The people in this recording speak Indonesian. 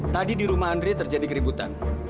tadi di rumah andre terjadi keributan